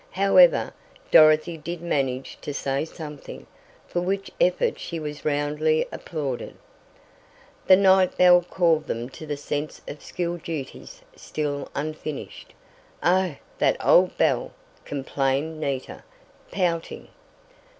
However, Dorothy did manage to say something, for which effort she was roundly applauded. The night bell called them to the sense of school duties still unfinished. "Oh, that old bell!" complained Nita, pouting.